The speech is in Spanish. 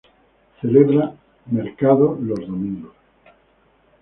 Celebra mercado los domingos.